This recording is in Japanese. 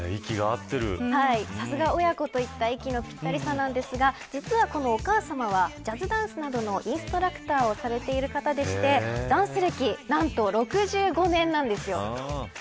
さすが親子といった息がぴったりさんですが実はこのお母さまジャズダンスなどのインストラクターをされている方でしてダンス歴、何と６５年なんです。